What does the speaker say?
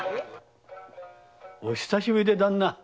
お久しぶりで旦那。